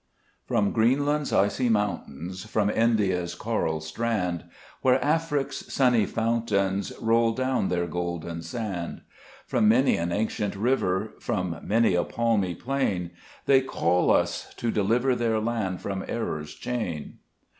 FROM Greenland's icy mountains, From India's coral strand, Where Afric's sunny fountains Roll down their golden sand, From many an ancient river, From many a palmy plain, They call us to deliver Their land from error's chain.